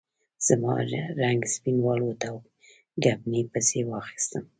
زما رنګ سپین والوت او ګبڼۍ پسې واخیستم.